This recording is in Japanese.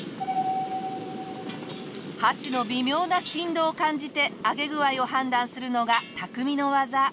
箸の微妙な振動を感じて揚げ具合を判断するのが匠の技。